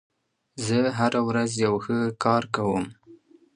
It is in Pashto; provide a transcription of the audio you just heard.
زه هره ورځ یو ښه کار کوم.